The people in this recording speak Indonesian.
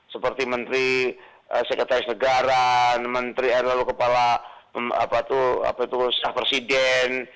seperti menteri sekretaris negara menteri lalu kepala apa itu sah presiden